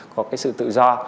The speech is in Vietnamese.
có cái sự tự do